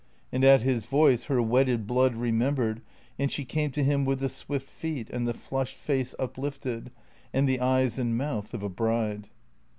And at his voice her wedded blood remembered, and she came to him with the swift feet, and the flushed face uplifted, and the eyes and mouth of a bride.